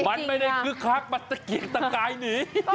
มันไม่ได้คึกคักมันตะเกียกตะกายหนี